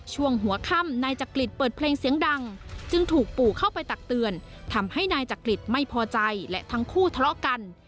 ช่วงหัวค่ำนายจักริตเปิดเพลงเสียงดังจึงถูกปู่เข้าไปตักเตือนทำให้นายจักริตไม่พอใจและทั้งคู่ทะเลาะกัน